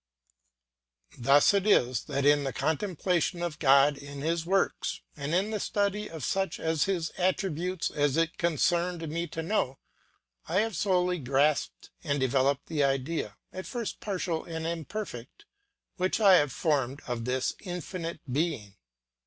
Thus it is that, in the contemplation of God in his works, and in the study of such of his attributes as it concerned me to know, I have slowly grasped and developed the idea, at first partial and imperfect, which I have formed of this Infinite Being.